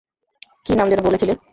কী নাম যেনো বলেছিলে?